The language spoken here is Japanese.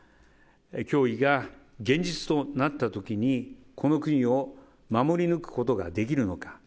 脅威が現実となったときに、この国を守り抜くことができるのか。